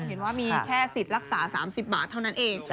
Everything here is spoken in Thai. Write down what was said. เห็นว่ามีแค่สิทธิ์รักษา๓๐บาทเท่านั้นเอง